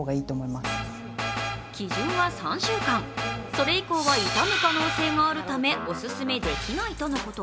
それ以降は傷む可能性があるためオススメできないとのこと。